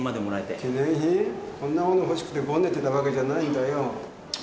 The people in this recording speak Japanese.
こんなもの欲しくてゴネてたわけじゃないんだよ。